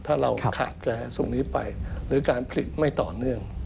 ถ้าเราขาดแคลนตรงนี้ไปหรือการผลิตไม่ต่อเนื่อง